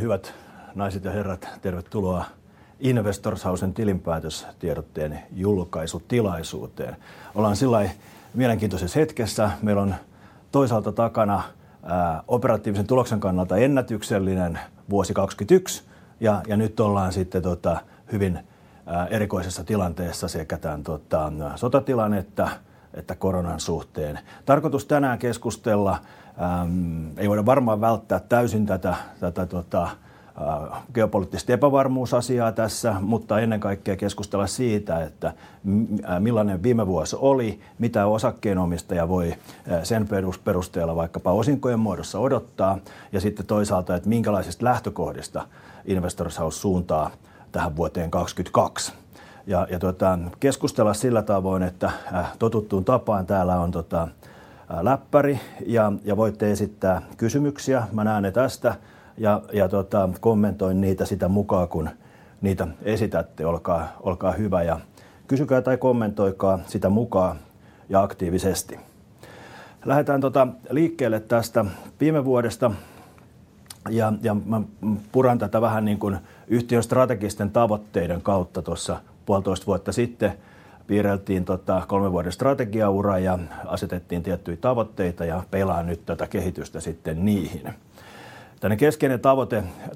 Hyvät naiset ja herrat, tervetuloa Investors Housen tilinpäätöstiedotteen julkaisutilaisuuteen. Ollaan mielenkiintoisessa hetkessä. Meillä on toisaalta takana operatiivisen tuloksen kannalta ennätyksellinen vuosi 2022, ja nyt ollaan sitten hyvin erikoisessa tilanteessa sekä sotatilanne että koronan suhteen. Tarkoitus tänään keskustella. Me emme voi varmaan välttää täysin tätä geopoliittista epävarmuusasiaa tässä, mutta ennen kaikkea keskustella siitä, että millainen viime vuosi oli, mitä osakkeenomistaja voi sen perusteella vaikkapa osinkojen muodossa odottaa ja sitten toisaalta, että minkälaisista lähtökohdista Investors House suuntaa tähän vuoteen 2022. Keskustellaan sillä tavoin, että totuttuun tapaan täällä on läppäri ja voitte esittää kysymyksiä. Mä näen ne tästä ja kommentoin niitä sitä mukaa kun niitä esitätte. Olkaa hyvä ja kysykää tai kommentoikaa sitä mukaa ja aktiivisesti. Lähetään liikkeelle tästä viime vuodesta. Mä puran tätä vähän niin kuin yhtiön strategisten tavoitteiden kautta. Tuossa puolitoista vuotta sitten piirrettiin tota kolmen vuoden strategiaa ja asetettiin tiettyjä tavoitteita ja pelaan nyt tätä kehitystä sitten niihin. Tänne keskeinen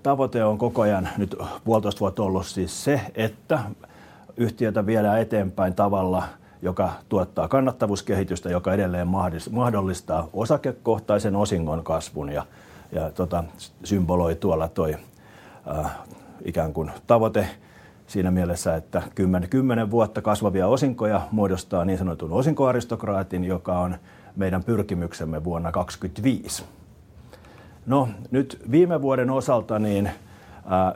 tavoite on koko ajan nyt puolitoista vuotta ollut siis se, että yhtiötä viedään eteenpäin tavalla, joka tuottaa kannattavuuskehitystä, joka edelleen mahdollistaa osakekohtaisen osingon kasvun ja tota symboloi tuolla tuo ikään kuin tavoite siinä mielessä, että 10 vuotta kasvavia osinkoja muodostaa niin sanotun osinkoaristokraatin, joka on meidän pyrkimyksemme vuonna 2025. No nyt viime vuoden osalta, niin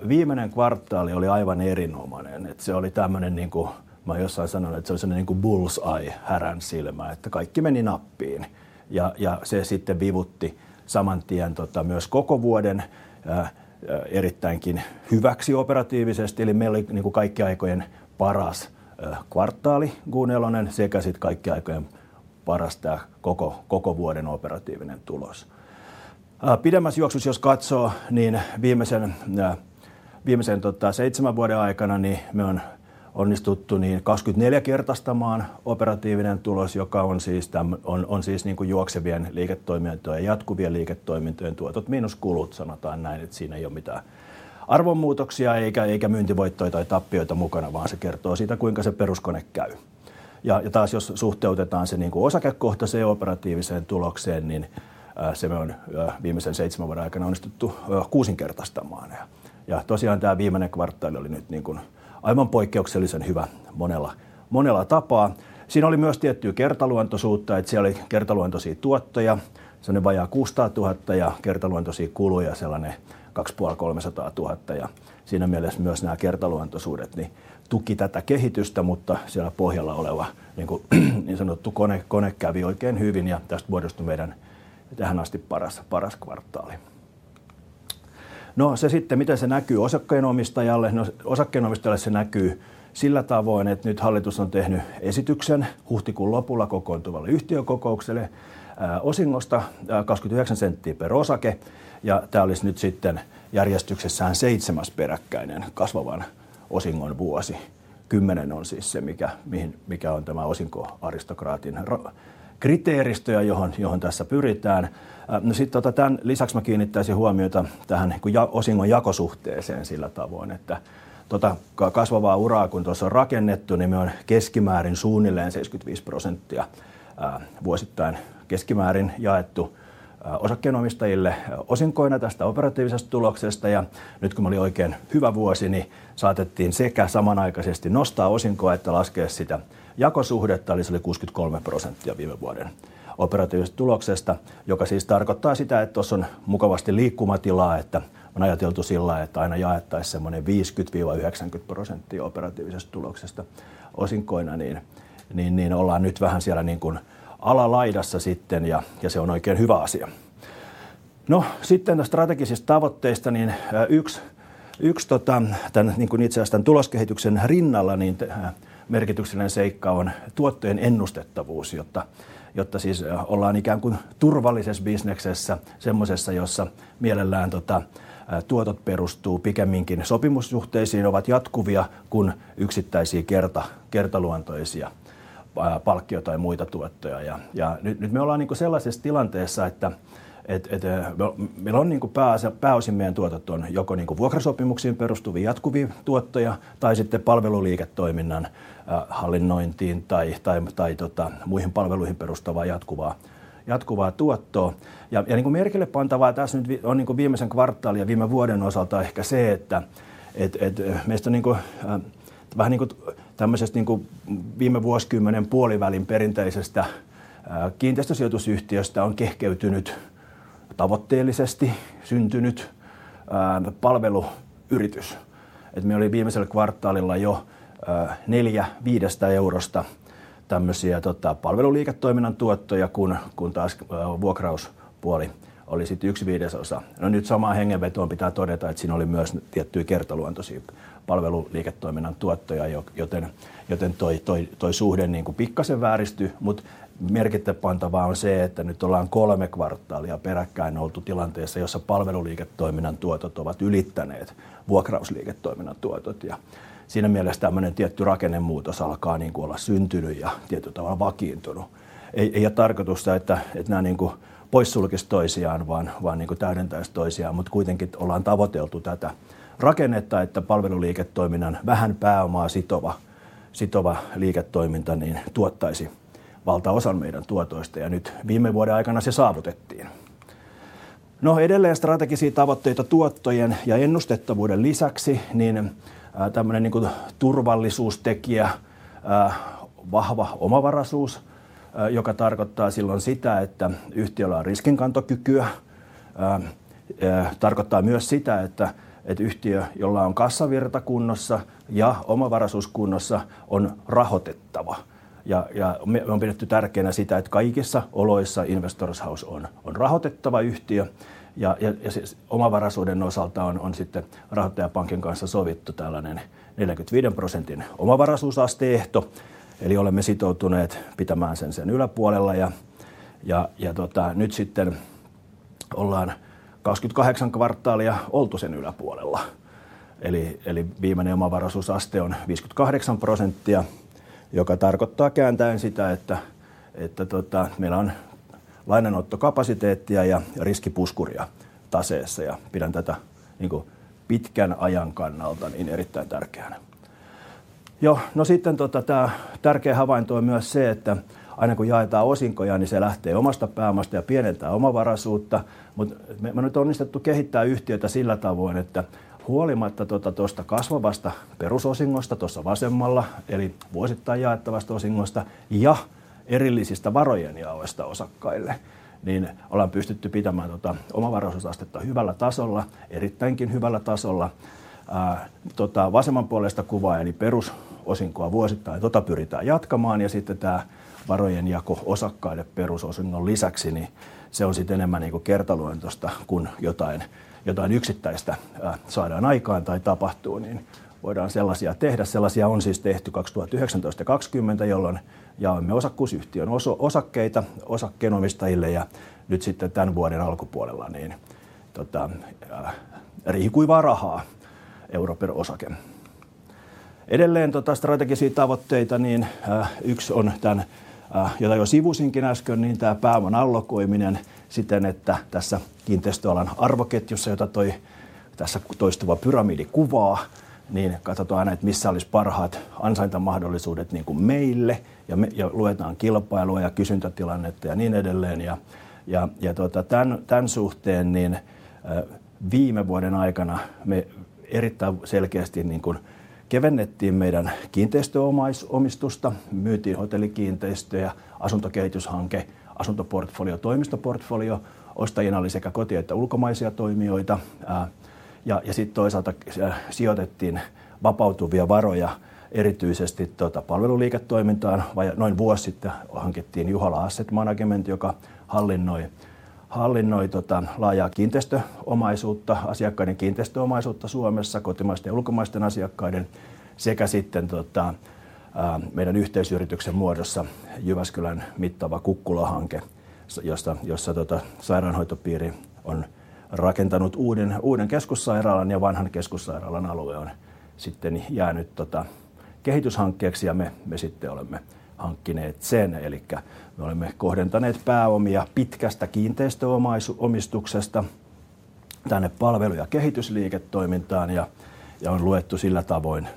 viimeinen kvartaali oli aivan erinomainen. Se oli tämmönen niin kuin mä jossain sanoin, että se on semmonen bull's eye häränsilmä, että kaikki meni nappiin ja se sitten vivutti saman tien tota myös koko vuoden erittäin hyväksi operatiivisesti. Meillä oli niin kuin kaikkien aikojen paras kvartaali Q1 sekä sitten kaikkien aikojen paras tämä koko vuoden operatiivinen tulos. Pidemmällä juoksulla jos katsoo, niin viimeisen 7 vuoden aikana me on onnistuttu 24-kertaistamaan operatiivinen tulos, joka on siis niin kuin juoksevien liiketoimintojen ja jatkuvien liiketoimintojen tuotot miinus kulut. Sanotaan näin, että siinä ei oo mitään arvonmuutoksia eikä myyntivoittoja tai tappioita mukana, vaan se kertoo siitä kuinka se peruskone käy. Taas jos suhteutetaan se niin kuin osakekohtaiseen operatiiviseen tulokseen, niin se on viimeisen 7 vuoden aikana onnistuttu 6-kertaistamaan. Tosiaan tämä viimeinen kvartaali oli nyt niin kuin aivan poikkeuksellisen hyvä monella tapaa. Siinä oli myös tiettyä kertaluonteisuutta, että siellä oli kertaluonteisia tuottoja, sellainen vajaa EUR 600,000 ja kertaluonteisia kuluja sellainen EUR 250,000. Siinä mielessä myös nämä kertaluonteiset suoritukset tukivat tätä kehitystä, mutta siellä pohjalla oleva niin sanottu kone kävi oikein hyvin ja tästä muodostui meidän tähän asti paras kvartaali. No se sitten, miten se näkyy osakkeenomistajalle. Osakkeenomistajalle se näkyy sillä tavoin, että nyt hallitus on tehnyt esityksen huhtikuun lopulla kokoontuvalle yhtiökokoukselle osingosta 0.29 EUR per osake. Tämä olis nyt sitten järjestyksessään seitsemäs peräkkäinen kasvavan osingon vuosi. 10 on siis se mikä on tämä osinkoaristokraatin roolin kriteeristö ja johon tässä pyritään. No sitten tämän lisäksi mä kiinnittäisin huomiota tähän osingonjakosuhdeeseen sillä tavoin, että tätä kasvavaa osinko-uraa kun tuossa on rakennettu, niin me on keskimäärin suunnilleen 75% vuosittain keskimäärin jaettu osakkeenomistajille osinkoina tästä operatiivisesta tuloksesta. Nyt kun oli oikein hyvä vuosi, niin saatettiin sekä samanaikaisesti nostaa osinkoa että laskea sitä jakosuhdetta. Se oli 63% viime vuoden operatiivisesta tuloksesta, joka siis tarkoittaa sitä, että tuossa on mukavasti liikkumatilaa. On ajateltu niin, että aina jaettaisiin semmonen 50-90% operatiivisesta tuloksesta osinkoina. Niin ollaan nyt vähän siellä niin kuin alalaidassa sitten ja se on oikein hyvä asia. No sitten niistä strategisista tavoitteista niin yksi tota tän niin kuin itse asiassa tän tuloskehityksen rinnalla niin tämä merkityksellinen seikka on tuottojen ennustettavuus, jotta siis ollaan ikään kuin turvallisessa bisneksessä. Semmosessa, jossa mielellään tuotot perustuvat pikemminkin sopimussuhteisiin ja ovat jatkuvia kuin yksittäisiä kertaeräisiä palkkioita tai muita tuottoja. Ja nyt me ollaan niin kuin sellaisessa tilanteessa, että meillä on pääosin meidän tuotot on joko vuokrasopimuksiin perustuvia jatkuvia tuottoja tai sitten palveluliiketoiminnan hallinnointiin tai muihin palveluihin perustuvaa jatkuvaa tuottoa. Merkillepantavaa tässä nyt on niinku viimeisen kvartaalin ja viime vuoden osalta ehkä se, että meistä on niinku vähän niinku tällaisesta niinku viime vuosikymmenen puolivälin perinteisestä kiinteistösijoitusyhtiöstä on kehkeytynyt tavoitteellisesti syntynyt palveluyritys. Meillä oli viimeisellä kvartaalilla jo neljä viidestä eurosta tällaisia palveluliiketoiminnan tuottoja, kun taas vuokrauspuoli oli sitten yksi viidesosa. Nyt samaan hengenvetoon pitää todeta, että siellä oli myös tiettyjä kertaluontoisia palveluliiketoiminnan tuottoja, joten tuo suhde niinku pikkuisen vääristyy. Merkittävää on se, että nyt ollaan kolme kvartaalia peräkkäin oltu tilanteessa, jossa palveluliiketoiminnan tuotot ovat ylittäneet vuokrausliiketoiminnan tuotot ja siinä mielessä tällainen tietty rakennemuutos alkaa niinku olla syntynyt ja tietyllä tavalla vakiintunut. Ei oo tarkoitusta, että nää niinku poissulkevat toisiaan, vaan niinku täydentävät toisiaan. Kuitenkin ollaan tavoiteltu tätä rakennetta, että palveluliiketoiminnan vähän pääomaa sitova liiketoiminta niin tuottaisi valtaosan meidän tuotoista ja nyt viime vuoden aikana se saavutettiin. No edelleen strategisia tavoitteita tuottojen ja ennustettavuuden lisäksi niin tällainen niinku turvallisuustekijä. Vahva omavaraisuus, joka tarkoittaa silloin sitä, että yhtiöllä on riskinkantokykyä. Tarkoittaa myös sitä, että että yhtiö, jolla on kassavirta kunnossa ja omavaraisuus kunnossa, on rahoitettava. Ja me on pidetty tärkeänä sitä, että kaikissa oloissa Investors House on rahoitettava yhtiö ja omavaraisuuden osalta on rahoittajapankin kanssa sovittu tällainen 45 %:n omavaraisuusaste-ehto. Eli olemme sitoutuneet pitämään sen yläpuolella. Ja tota nyt sitten ollaan 28 kvartaalia oltu sen yläpuolella. Eli viimeinen omavaraisuusaste on 58 %, joka tarkoittaa kääntäen sitä, että tota meillä on lainanottokapasiteettia ja riskipuskuria taseessa ja pidän tätä niinku pitkän ajan kannalta niin erittäin tärkeänä. Joo. Tämä tärkeä havainto on myös se, että aina kun jaetaan osinkoja, niin se lähtee omasta pääomasta ja pienentää omavaraisuutta. Me on nyt onnistuttu kehittään yhtiötä sillä tavoin, että huolimatta tästä kasvavasta perusosingosta tuossa vasemmalla eli vuosittain jaettavasta osingosta ja erillisistä varojen jaoista osakkaille, niin ollaan pystytty pitämään tätä omavaraisuusastetta hyvällä tasolla, erittäinkin hyvällä tasolla. Tätä vasemmanpuoleista kuvaa eli perusosinkoa vuosittain pyritään jatkamaan. Tämä varojen jako osakkaille perusosingon lisäksi on sit enemmän niinku kertaluontosta, kun jotain yksittäistä saadaan aikaan tai tapahtuu, niin voidaan sellasia tehdä. Sellasia on siis tehty 2019 ja 2020, jolloin jaoimme osakkuusyhtiön osakkeita osakkeenomistajille ja nyt tämän vuoden alkupuolella kuivaa rahaa EUR 1 per osake. Edelleen strategisia tavoitteita, niin yksi on tämä, jota jo sivusin äsken, niin tämä pääoman allokointi siten, että tässä kiinteistöalan arvoketjussa, jota tuo tässä toistuva pyramidi kuvaa, niin katsotaan aina, että missä olisi parhaat ansaintamahdollisuudet meille. Me luetaan kilpailua ja kysyntätilannetta ja niin edelleen. Tämän suhteen viime vuoden aikana me erittäin selkeästi kevennettiin meidän kiinteistöomistusta. Myytiin hotellikiinteistöjä, asuntokehityshanke, asuntoportfolio, toimistoportfolio. Ostajina oli sekä kotimaisia että ulkomaisia toimijoita. Toisaalta sijoitettiin vapautuvia varoja erityisesti palveluliiketoimintaan. Vajaa vuosi sitten hankittiin Juhola Asset Management, joka hallinnoi laajaa kiinteistöomaisuutta, asiakkaiden kiinteistöomaisuutta Suomessa, kotimaisten ja ulkomaisten asiakkaiden sekä meidän yhteisyrityksen muodossa Jyväskylän mittava Kukkula-hanke, jossa sairaanhoitopiiri on rakentanut uuden keskussairaalan ja vanhan keskussairaalan alue on jäänyt kehityshankkeeksi ja me olemme hankkineet sen. Elikkä me olemme kohdentaneet pääomia pitkästä kiinteistöomistuksesta tänne palvelu- ja kehitysliiketoimintaan ja on luettu sillä tavoin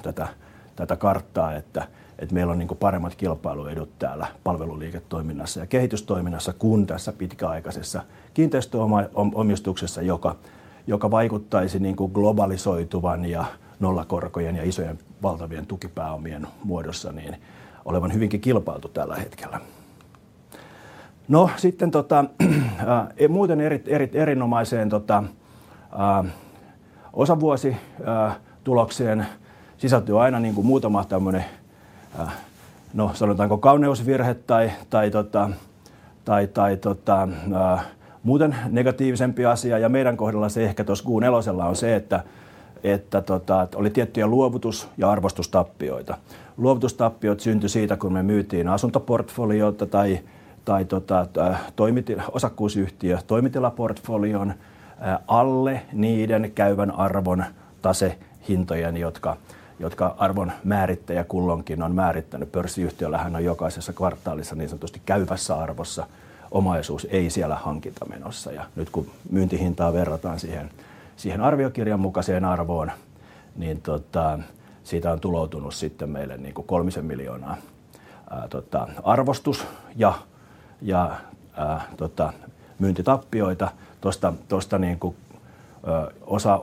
tätä karttaa, että että meillä on niinku paremmat kilpailuedut täällä palveluliiketoiminnassa ja kehitystoiminnassa kuin tässä pitkäaikaisessa kiinteistöomistuksessa, joka vaikuttaisi niinku globalisoituvan ja nollakorkojen ja isojen valtioiden tukipääomien muodossa niin olevan hyvinkin kilpailtu tällä hetkellä. No sitten muuten erinomaiseen Q1 osavuosikatsauksen tulokseen sisältyy aina niinku muutama tämmönen, no sanotaanko kauneusvirhe tai muuten negatiivisempi asia. Meidän kohdalla se ehkä tos Q4:llä on se, että oli tiettyjä luovutus- ja arvostustappioita. Luovutustappiot syntyvät siitä, kun me myytiin asuntoportfoliota tai toimitilaosakkuusyhtiön toimitilaportfoliota alle niiden käyvän arvon tasehintojen, jotka arvonmäärääjä kulloinkin on määrittänyt. Pörssiyhtiöllähän on jokaisessa kvartaalissa niin sanotusti käyvässä arvossa omaisuus, ei siellä hankintamenossa. Nyt kun myyntihintaa verrataan siihen arvioarvion mukaseen arvoon, niin siitä on tuloutunut sitten meille niinku EUR 3 miljoonaa arvostus- ja myyntitappioita tosta.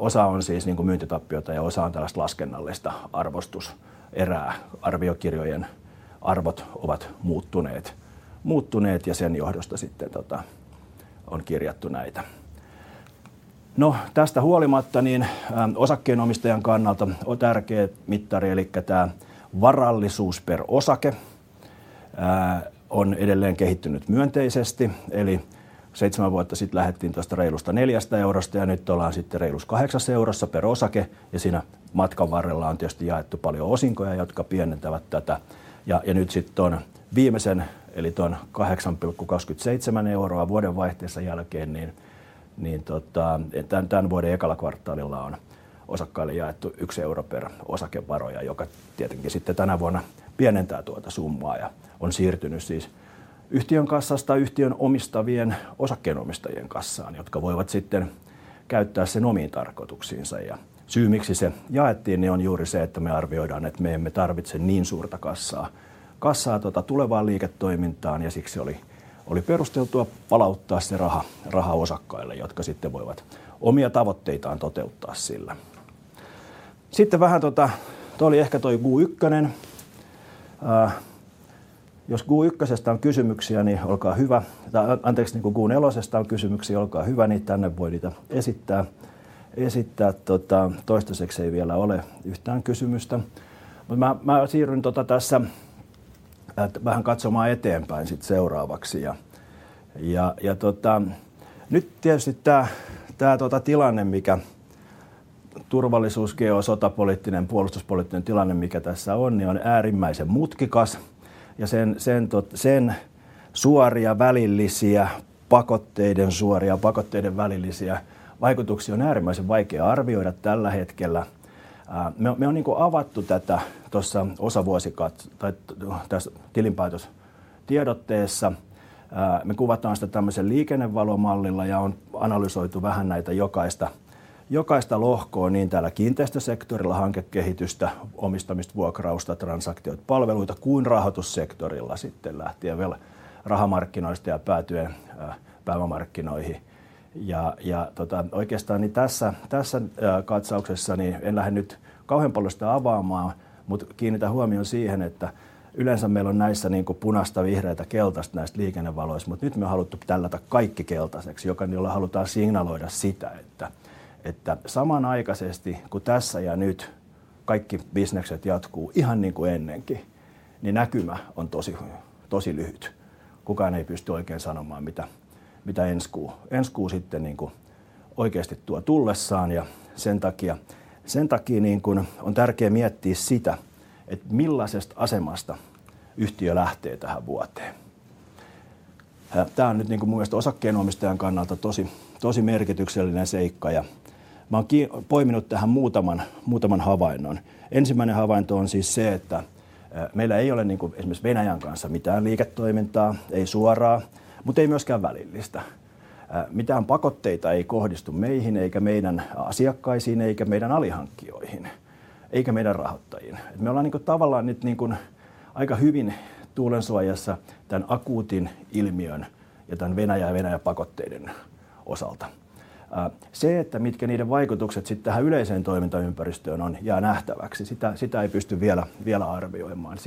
Osa on siis niinku myyntitappiota ja osa on tällasta laskennallista arvostuserää. Arvioarvojen arvot ovat muuttuneet ja sen johdosta on kirjattu näitä. No tästä huolimatta osakkeenomistajan kannalta on tärkeä mittari eli tämä varallisuus per osake on edelleen kehittynyt myönteisesti. Eli 7 vuotta sitten lähdettiin tosta reilusta EUR 4:stä ja nyt ollaan sitten reilussa EUR 8:ssa per osake. Siinä matkan varrella on tietysti jaettu paljon osinkoja, jotka pienentävät tätä. Nyt sitten sen viimeisen eli sen 8.27 EUR vuodenvaihteessa jälkeen, tämän vuoden ensimmäisellä kvartaalilla on osakkaille jaettu 1 EUR per osake varoja, joka tietenkään sitten tänä vuonna pienentää tuota summaa ja on siirtynyt siis yhtiön kassasta yhtiön omistavien osakkeenomistajien kassaan, jotka voivat sitten käyttää sen omiin tarkoituksiinsa. Syynä miksi se jaettiin on juuri se, että me arvioimme, että me emme tarvitse niin suurta kassaa tulevaan liiketoimintaan ja siksi oli perusteltua palauttaa se raha osakkaille, jotka sitten voivat omia tavoitteitaan toteuttaa sillä. Toi oli ehkä Q1. Jos Q1:stä on kysymyksiä, olkaa hyvä. Tai anteeks, niinkuin Q4:stä on kysymyksiä, olkaa hyvä, niin tänne voi niitä esittää. Toistaiseksi ei vielä ole yhtään kysymystä, mutta mä siirryn tässä vähän katsomaan eteenpäin sitten seuraavaksi. Nyt tietysti tämä tilanne, mikä turvallisuusgeopoliittinen puolustuspoliittinen tilanne tässä on äärimmäisen monimutkainen ja sen suoria ja välillisiä pakotteiden vaikutuksia on äärimmäisen vaikea arvioida tällä hetkellä. Me on avattu tätä tässä osavuosikatsauksessa tai tässä tilinpäätöstiedotteessa. Me kuvataan sitä tällaisella liikennevalomallilla ja on analysoitu vähän jokaista lohkoa niin täällä kiinteistösektorilla hankekehitystä, omistamista, vuokrausta, transaktioita, palveluita kuin rahoitussektorilla sitten lähtien rahamarkkinoista ja päätyen pääomamarkkinoihin. Oikeastaan tässä katsauksessa en lähde nyt kauhean paljon sitä avaamaan, mutta kiinnitän huomion siihen, että yleensä meillä on näissä niinku punaista, vihreää, keltaista näistä liikennevaloista, mutta nyt me haluttiin laittaa kaikki keltaseksi, jolla halutaan signaloida sitä, että samanaikaisesti kun tässä ja nyt kaikki bisnekset jatkuu ihan niin kun ennenkin, näkymä on tosi lyhyt. Kukaan ei pysty oikein sanomaan mitä ensi kuu sitten niinku oikeesti tuo tullessaan ja sen takia niinkun on tärkeä miettiä sitä, että millaisesta asemasta yhtiö lähtee tähän vuoteen. Tää on nyt niinku mun mielest osakkeenomistajan kannalta tosi merkityksellinen seikka ja mä oon kin poiminut tähän muutaman havainnon. Ensimmäinen havainto on siis se, että meillä ei ole niinku esim. Venäjän kanssa mitään liiketoimintaa. Ei suoraa, mut ei myöskään välillistä. Mitään pakotteita ei kohdistu meihin eikä meidän asiakkaisiin eikä meidän alihankkijoihin eikä meidän rahoittajiin. Me ollaan niinku tavallaan nyt niinkun aika hyvin tuulensuojassa tän akuutin ilmiön ja tän Venäjä-pakotteiden osalta. Se, että mitkä niiden vaikutukset sit tähän yleiseen toimintaympäristöön on, jää nähtäväksi. Sitä ei pysty vielä arvioimaan.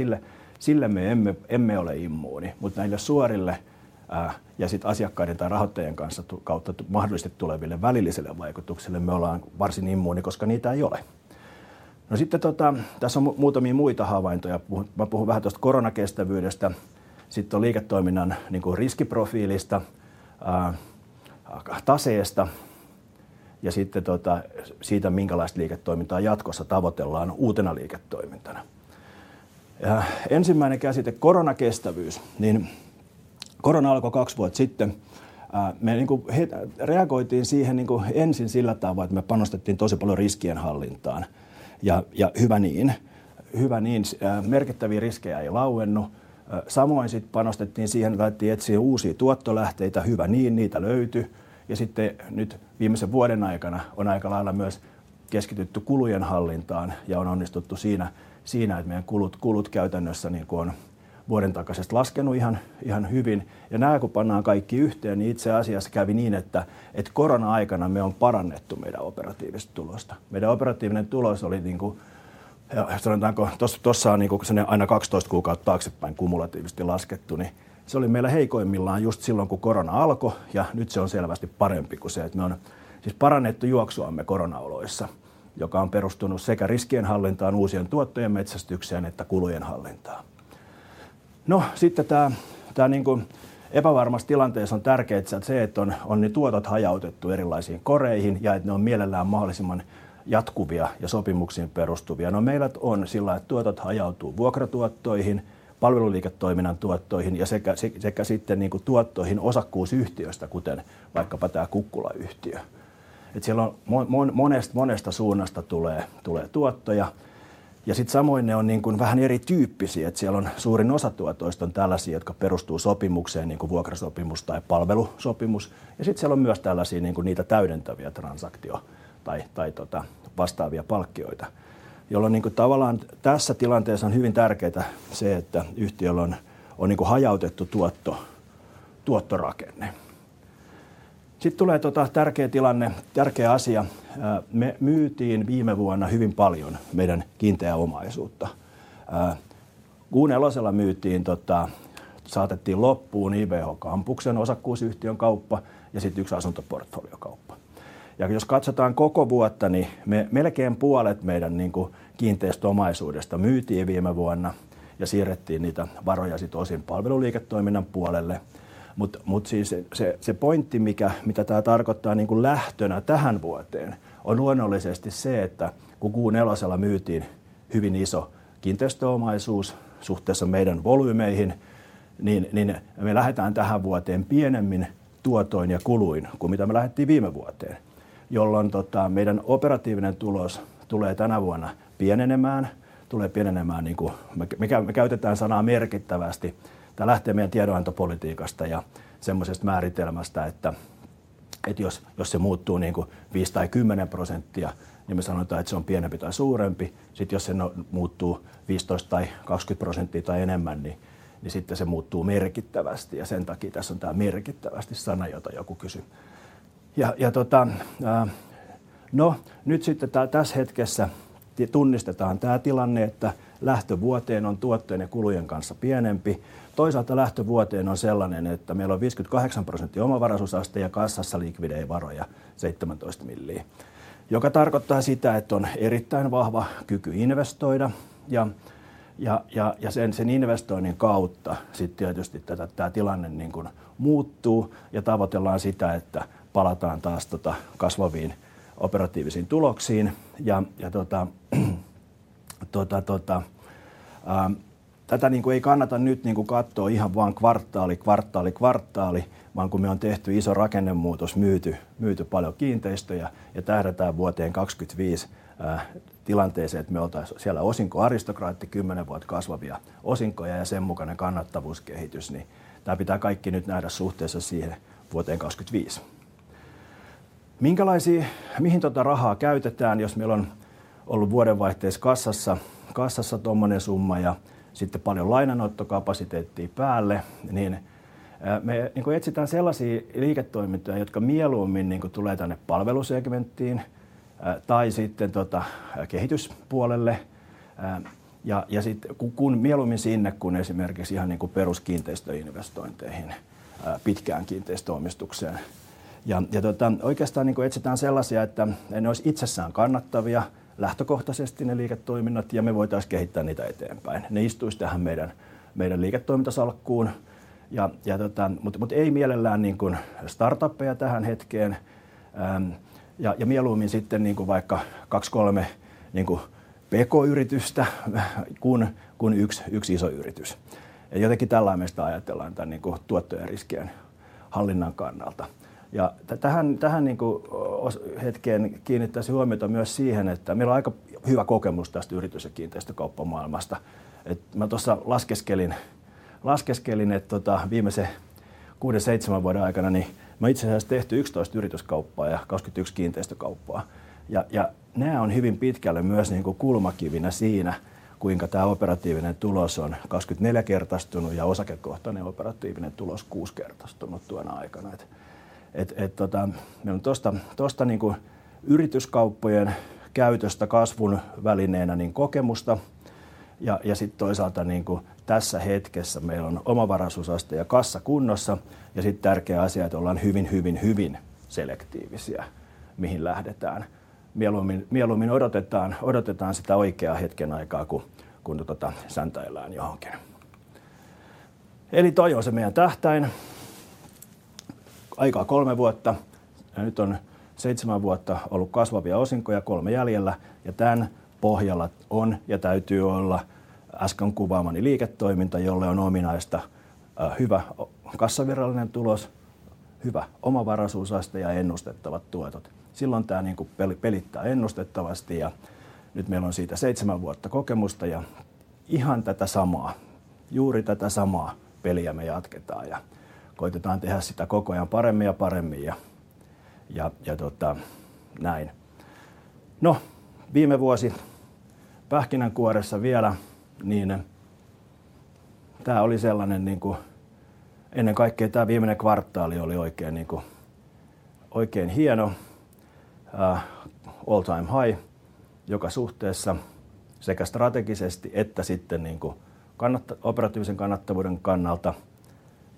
Sille me emme ole immuuni. Näille suorille ja sitten asiakkaiden tai rahoittajien kanssa tämän kautta mahdollisesti tuleville välillisille vaikutuksille me ollaan varsin immuuni, koska niitä ei ole. Tässä on muutamia muita havaintoja. Mä puhun vähän tästä koronakestävyydestä. On liiketoiminnan niinku riskiprofiilista, taseesta ja sitten siitä, millaista liiketoimintaa jatkossa tavoitellaan uutena liiketoimintana. Ensimmäinen käsite, koronakestävyys, niin korona alkoi 2 vuotta sitten. Me reagointiin siihen ensin sillä tavalla, että me panostettiin tosi paljon riskienhallintaan. Hyvä niin, hyvä niin. Merkittäviä riskejä ei lauennut. Samoin sitten panostettiin siihen, pystittiin etsimään uusia tuottolähteitä. Hyvä niin, niitä löyty. Sitten nyt viimeisen vuoden aikana on aikalailla myös keskitytty kulujen hallintaan ja on onnistuttu siinä, että meidän kulut käytännössä niinku on vuoden takaisesta laskenut ihan hyvin. Nämä kun pannaan kaikki yhteen, niin itse asiassa kävi niin, että että korona-aikana me on parannettu meidän operatiivista tulosta. Meidän operatiivinen tulos oli niin kuin sanotaanko tossa on niin kuin semmonen aina 12 kuukautta taaksepäin kumulatiivisesti laskettu, niin se oli meillä heikoimmillaan just sillon kun korona alko ja nyt se on selvästi parempi kuin se, että me on siis parannettu juoksuamme koronaoloissa, joka on perustunut sekä riskienhallintaan, uusien tuottojen metsästykseen että kulujen hallintaan. No sitten tämä niin kuin epävarma tilanteessa on tärkeää se, että on ne tuotot hajautettu erilaisiin koreihin ja että ne on mielellään mahdollisimman jatkuvia ja sopimuksiin perustuvia. No meillä on niin, että tuotot hajautuu vuokratuottoihin, palveluliiketoiminnan tuottoihin ja sekä sekä sitten niin kuin tuottoihin osakkuusyhtiöistä kuten vaikkapa tämä Kukkula-yhtiö. Että siellä on monesta suunnasta tulee tuottoja. Samoin ne on vähän eri tyyppisiä, että siellä on suurin osa tuotoista on tällaisia, jotka perustuu sopimukseen, niinkuin vuokrasopimus tai palvelusopimus. Siellä on myös tällaisia niinkuin niitä täydentäviä transaktio- tai vastaavia palkkioita, joilla niinkuin tavallaan tässä tilanteessa on hyvin tärkeää se, että yhtiöllä on hajautettu tuottorakenne. Tulee tärkeä tilanne, tärkeä asia. Me myytiin viime vuonna hyvin paljon meidän kiinteää omaisuutta. Q4:llä myytiin saatettiin loppuun IBH Campuksen osakkuusyhtiön kauppa ja sitten yksi asuntoportfoliokauppa. Jos katsotaan koko vuotta, niin me melkein puolet meidän niinkuin kiinteistöomaisuudesta myytiin viime vuonna ja siirrettiin niitä varoja sitten osin palveluliiketoiminnan puolelle. Siis se pointti mitä tää tarkottaa niinku lähtönä tähän vuoteen on luonnollisesti se, että kun Q4:lla myytiin hyvin iso kiinteistöomaisuus suhteessa meidän volyymeihin, niin me lähetään tähän vuoteen pienemmin tuotoin ja kuluin kuin mitä me lähettiin viime vuoteen, jolloin meidän operatiivinen tulos tulee tänä vuonna pienenemään niinku me käytetään sanaa merkittävästi. Tää lähtee meidän tiedonantopolitiikasta ja semmosesta määritelmästä, että jos se muuttuu niinku 5 tai 10 prosenttia, niin me sanotaan, että se on pienempi tai suurempi. Sit jos se muuttuu 15 tai 20 prosenttia tai enemmän, niin sitten se muuttuu merkittävästi ja sen takii tässä on tää merkittävästi sana, jota joku kysyy. Nyt sitten tässä hetkessä me tunnistetaan tää tilanne, että lähtö vuoteen on tuottojen ja kulujen kanssa pienempi. Toisaalta lähtö vuoteen on sellainen, että meillä on 58% omavaraisuusaste ja kassassa likvidejä varoja 17 miljoonaa, joka tarkoittaa sitä, että on erittäin vahva kyky investoida ja sen investoinnin kautta sitten tietysti tätä tilannetta niin kuin muuttuu ja tavoitellaan sitä, että palataan taas kasvaviin operatiivisiin tuloksiin. Tätä ei kannata nyt niin kuin katsoa ihan vaan kvartaali. Kun me on tehty iso rakennemuutos, myyty paljon kiinteistöjä ja tähdätään vuoteen 2025 tilanteeseen, että me oltais siellä osinkoaristokraatti 10 vuotta kasvavia osinkoja ja sen mukainen kannattavuuskehitys, niin tämä pitää kaikki nyt nähdä suhteessa siihen vuoteen 2025. Mihin tätä rahaa käytetään? Jos meillä on ollut vuodenvaihteessa kassassa tällainen summa ja sitten paljon lainanottokapasiteettia päälle, niin me etsitään sellaisia liiketoimintoja, jotka mieluummin tulee tänne palvelusegmenttiin tai sitten kehityspuolelle. Sitten kun mieluummin sinne esimerkiksi peruskiinteistöinvestointeihin pitkään kiinteistöomistukseen. Oikeastaan etsitään sellaisia, että ne ois itsessään kannattavia lähtökohtaisesti ne liiketoiminnat ja me voitais kehittää niitä eteenpäin. Ne istuis tähän meidän liiketoimintasalkkuun, mutta ei mielellään startuppeja tähän hetkeen. Mieluummin sitten vaikka 2-3 PK-yritystä kuin yksi iso yritys. Jotenkin tällaisella me sitä ajatellaan tämän tuottojen ja riskien hallinnan kannalta. Tähän hetkeen kiinnittais huomiota myös siihen, että meil on aika hyvä kokemus tästä yritys- ja kiinteistökauppamaailmasta. Et mä tossa laskeskelin, että viimeisen 6-7 vuoden aikana me on itse asiassa tehty 11 yrityskauppaa ja 22 kiinteistökauppaa. Nää on hyvin pitkälle myös niinku kulmakivinä siinä, kuinka tää operatiivinen tulos on 24-kertaistunut ja osakekohtainen operatiivinen tulos 6-kertaistunut tuona aikana. Et tota meil on tosta niinku yrityskauppojen käytöstä kasvun välineenä niin kokemusta. Sit toisaalta niinku tässä hetkessä meil on omavaraisuusaste ja kassa kunnossa. Sit tärkeä asia, et ollaan hyvin selektiivisiä mihin lähdetään. Mieluummin odotetaan sitä oikeaa hetken aikaa, ku kun tota säntäillään johonkin. Eli toi on se meiän tähtäin. Aikaa 3 vuotta ja nyt on 7 vuotta ollu kasvavia osinkoja, 3 jäljellä. Tän pohjalla on ja täytyy olla äsken kuvaamani liiketoiminta, jolle on ominaista hyvä kassavirrallinen tulos, hyvä omavaraisuusaste ja ennustettavat tuotot. Silloin tää niinku peli pelittää ennustettavasti ja nyt meil on siitä 7 vuotta kokemusta. Ihan tätä samaa, juuri tätä samaa peliä me jatketaan ja koitetaan tehdä sitä koko ajan paremmin ja paremmin ja näin. No, viime vuosi pähkinänkuoressa vielä, niin tää oli sellanen niinku ennen kaikkea tää viimenen kvartaali oli oikein hieno. All time high joka suhteessa sekä strategisesti että sitten niinku operatiivisen kannattavuuden kannalta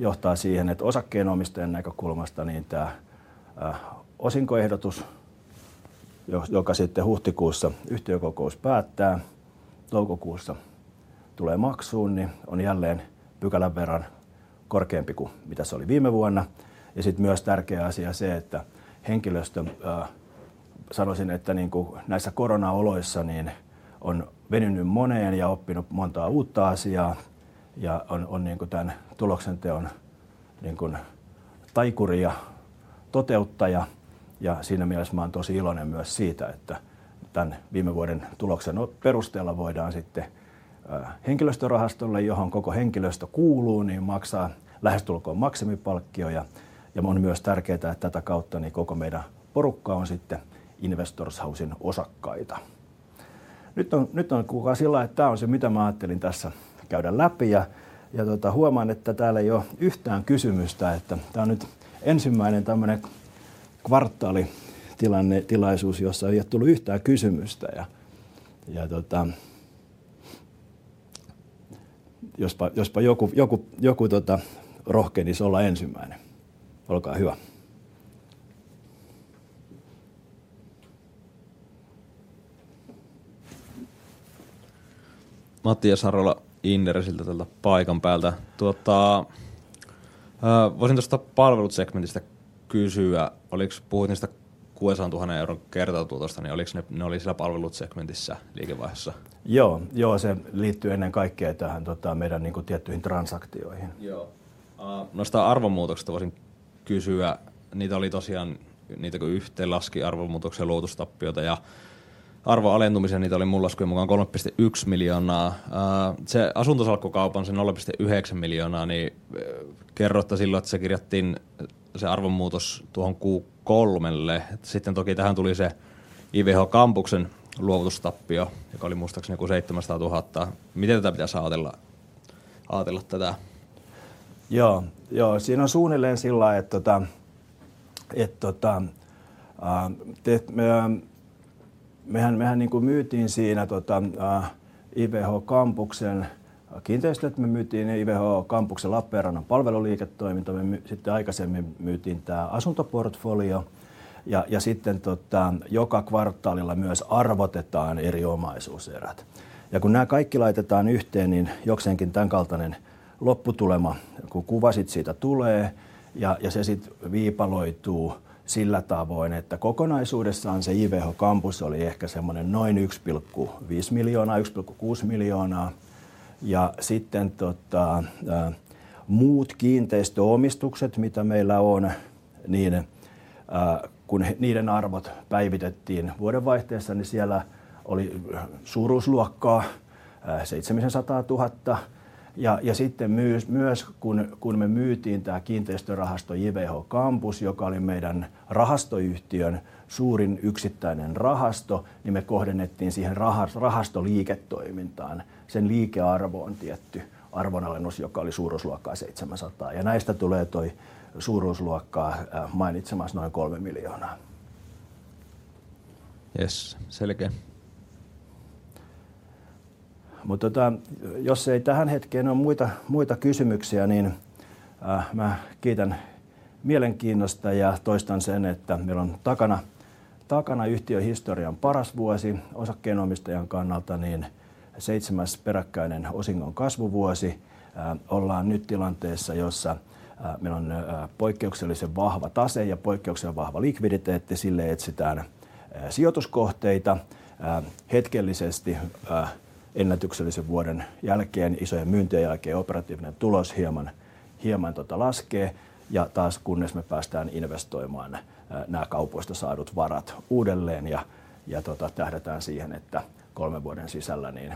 johtaa siihen, et osakkeenomistajan näkökulmasta niin tää osinkoehdotus, joka sitten huhtikuussa yhtiökokous päättää, toukokuussa tulee maksuun, ni on jälleen pykälän verran korkeampi ku mitä se oli viime vuonna. Sit myös tärkeä asia se, että henkilöstö sanoisin, että niinku näissä koronaoloissa niin on venyny moneen ja oppinu montaa uutta asiaa ja on niinku tän tuloksenteon taikuri ja toteuttaja. Siinä mieles mä oon tosi ilonen myös siitä, että tän viime vuoden tuloksen pohjalta voidaan sitten henkilöstörahastolle, johon koko henkilöstö kuuluu, niin maksaa lähestulkoon maksimipalkkio. Mul on myös tärkeää, että tätä kautta ni koko meidän porukka on sitten Investors Housen osakkaita. Nyt on kuulkaa näin, että tämä on se mitä mä ajattelin tässä käydä läpi ja huomaan, että täällä ei oo yhtään kysymystä, että tämä on nyt ensimmäinen tällainen kvartaalitilaisuus, jossa ei oo tullut yhtään kysymystä. Jospa joku rohkenisi olla ensimmäinen. Olkaa hyvä. Matias Harala, Innerö, siltä täältä paikan päältä. Voisin tästä palvelusegmentistä kysyä. Puhuit siitä 600,000 euron kertatuloista, niin oliko ne oli siellä palvelusegmentissä liikevaihdossa? </Foreign language] Joo, joo, se liittyy ennen kaikkea tähän meidän niinku tiettyihin transaktioihin. Joo. No sitä arvonmuutoksesta voisin kysyä. Niitä oli tosiaan, niitä kun yhteen laski arvonmuutoksen, luovutustappiota ja arvon alentumisen, niitä oli mun laskujen mukaan 3.1 million. Se asuntosalkkukaupan, se 0.9 million, niin kerroitte silloin, et se kirjattiin se arvonmuutos tuohon Q3. Toki tähän tuli se IVH Campuksen luovutustappio, joka oli muistaakseni seitsemänsataa tuhatta. Miten tätä pitäis aatella tätä? Joo, siinä on suunnilleen sillai, että mehän niinku myytiin siinä IVH Campuksen kiinteistöt ja IVH Campuksen Lappeenrannan palveluliiketoiminta. Sitten aikaisemmin myytiin tää asuntoportfolio. Sitten joka kvartaalilla myös arvotetaan eri omaisuuserät. Kun nää kaikki laitetaan yhteen, niin jokseenkin tämän kaltaisen lopputuloksen kuten kuvasit siitä tulee. Se sitten viipaloituu sillä tavoin, että kokonaisuudessaan se IVH Campus oli ehkä semmonen noin 1.5 miljoonaa, 1.6 miljoonaa. Sitten muut kiinteistöomistukset mitä meillä on, niin kun niiden arvot päivitettiin vuodenvaihteessa, niin siellä oli suuruusluokkaa EUR 700 tuhatta. Sitten kun me myytiin tää kiinteistörahasto IVH Campus, joka oli meidän rahastoyhtiön suurin yksittäinen rahasto, niin me kohdennettiin siihen rahastoliiketoimintaan sen liikearvoon tietty arvonalennus, joka oli suuruusluokkaa 700, ja näistä tulee tuo suuruusluokkaa mainitsemasi noin EUR 3 miljoonaa. Jes, selkee. Tota jos ei tähän hetkeen oo muita kysymyksiä, niin mä kiitän mielenkiinnosta ja toistan sen, että meillä on takana yhtiön historian paras vuosi osakkeenomistajan kannalta, niin seitsemäs peräkkäinen osingon kasvuvuosi. Ollaan nyt tilanteessa, jossa meillä on poikkeuksellisen vahva tase ja poikkeuksellisen vahva likviditeetti. Sille etsitään sijoituskohteita. Hetkellisesti ennätyksellisen vuoden jälkeen isojen myyntien jälkeen operatiivinen tulos hieman tota laskee. Taas kunnes me päästään investoimaan näitä kaupoista saadut varat uudelleen ja tota tähdätään siihen, että kolmen vuoden sisällä niin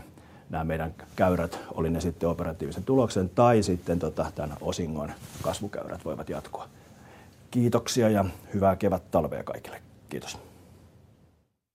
nää meidän käyrät, oli ne sitten operatiivisen tuloksen tai sitten tota tämän osingon kasvukäyrät voivat jatkua. Kiitoksia ja hyvää kevättalvea kaikille. Kiitos!